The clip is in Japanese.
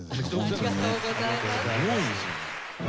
ありがとうございます。